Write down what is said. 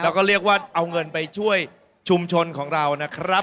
แล้วก็เรียกว่าเอาเงินไปช่วยชุมชนของเรานะครับ